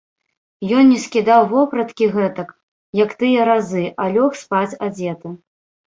Ён не скідаў вопраткі гэтак, як тыя разы, а лёг спаць адзеты.